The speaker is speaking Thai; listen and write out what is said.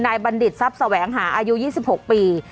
บัณฑิตทรัพย์แสวงหาอายุ๒๖ปี